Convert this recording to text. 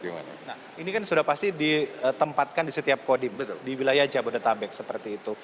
nah ini kan sudah pasti ditempatkan di setiap kodim di wilayah jabodetabek seperti itu